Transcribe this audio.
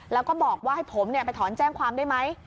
แล้วก็บอกว่าให้ผมไปถอนแจ้งความได้ไหม